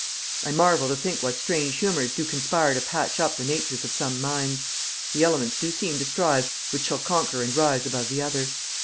"I marvel to think what strange humors do conspire to patch up the natures of some minds. The elements do seem to strive which shall conquer and rise above the other.